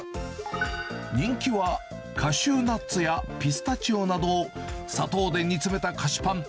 人気は、カシューナッツやピスタチオなどを砂糖で煮詰めた菓子パン。